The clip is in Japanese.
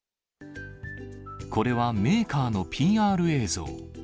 これはメーカーのＰＲ映像。